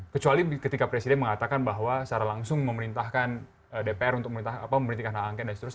kecuali ketika presiden mengatakan bahwa secara langsung memerintahkan dpr untuk memerintahkan hak angket dan seterusnya